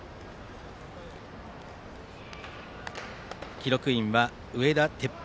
記録員は植田哲平